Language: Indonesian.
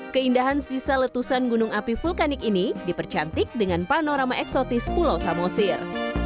keindahan sisa letusan gunung api vulkanik ini dipercantik dengan panorama eksotis pulau samosir